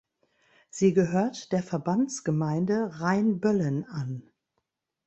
Sie gehört der Verbandsgemeinde Rheinböllen an.